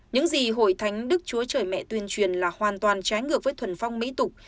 những gì hội thánh đức chúa trời mẹ tuyên truyền là hoàn toàn trái ngược với thuần phong mỹ tục